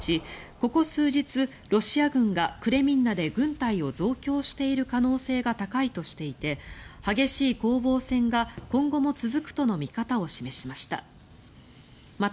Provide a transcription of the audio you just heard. ここ数日ロシア軍がクレミンナで軍隊を増強している可能性が高いとしていて激しい攻防戦が今後も続くとの見方を示しました。